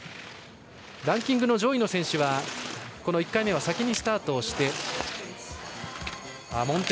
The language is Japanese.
ランキング上位の選手は１回目、先にスタートしています。